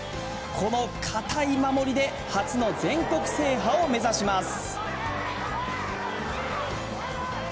この堅い守りで初の全国制覇を目指します。